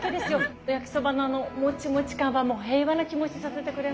焼きそばのあのもちもち感はもう平和な気持ちにさせてくれます。